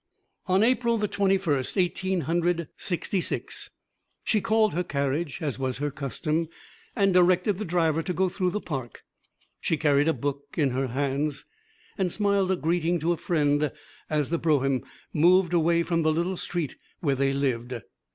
On April the Twenty first, Eighteen Hundred Sixty six, she called her carriage, as was her custom, and directed the driver to go through the park. She carried a book in her hands, and smiled a greeting to a friend as the brougham moved away from the little street where they lived.